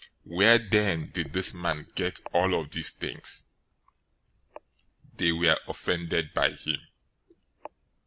Where then did this man get all of these things?" 013:057 They were offended by him.